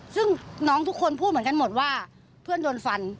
ซึ่งน้องทุกคนพูดเหมือนกันหมดว่าเพื่อนโดนฟัน